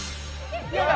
どうだ？